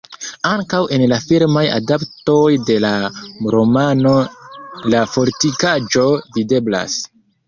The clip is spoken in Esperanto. Ankaŭ en la filmaj adaptoj de la romano la fortikaĵo videblas.